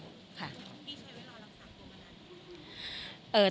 คุณพี่ช่วยไว้รอรับศักดิ์ตัวเมื่อนั้น